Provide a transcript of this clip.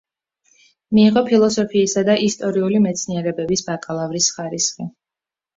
მიიღო ფილოსოფიისა და ისტორიული მეცნიერებების ბაკალავრის ხარისხი.